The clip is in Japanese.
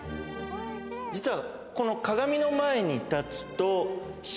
実は。